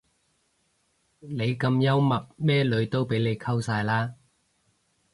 你咁幽默咩女都俾你溝晒啦